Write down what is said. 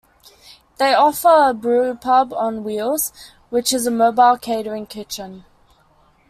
They offer a brewpub on wheels, which is a mobile catering kitchen.